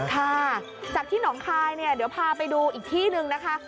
ค่ะจากที่หนองคายเนี่ยเดี๋ยวพาไปดูอีกที่หนึ่งนะคะ